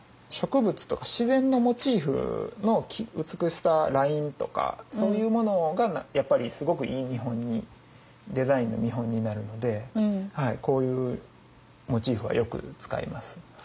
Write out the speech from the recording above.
植物とか自然のモチーフの美しさラインとかそういうものがやっぱりすごくいい見本にデザインの見本になるのでこういうモチーフはよく使います。